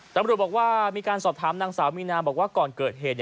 ตำรวจบอกว่ามีการสอบถามนางสาวมีนาบอกว่าก่อนเกิดเหตุ